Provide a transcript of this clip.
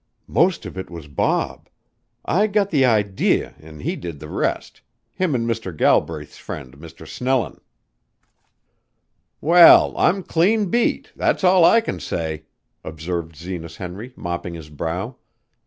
"Most of it was Bob. I got the idee an' he did the rest him an' Mr. Galbraith's friend, Mr. Snellin'." "Well, I'm clean beat that's all I can say," observed Zenas Henry, mopping his brow.